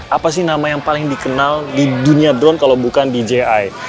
apa sih nama yang paling dikenal di dunia drone kalau bukan di ji